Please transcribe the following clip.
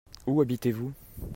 Où habitez-vous ?